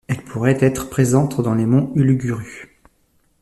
Elle pourrait être présente dans les monts Uluguru.